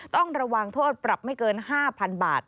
ต้องระวังโทษปรับไม่เกิน๕๐๐๐บาท